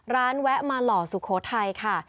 แวะมาหล่อสุโขทัยค่ะ